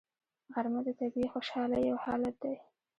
غرمه د طبیعي خوشحالۍ یو حالت دی